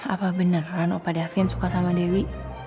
apa beneran opa davin suka sama dewi